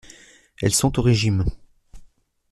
Elles sont au régime.